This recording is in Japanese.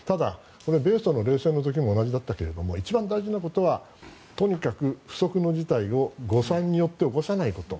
米ソの冷戦の時も同じだったけど一番大事なことはとにかく不測の事態を誤算によって起こさないこと。